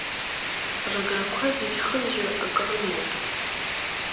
Рыграқәа зегь хызҩо ак рымруп…